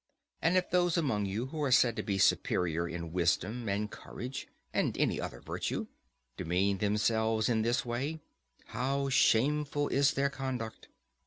And if those among you who are said to be superior in wisdom and courage, and any other virtue, demean themselves in this way, how shameful is their conduct!